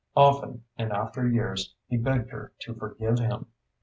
Often, in after years, he begged her to forgive him.